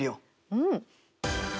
うん。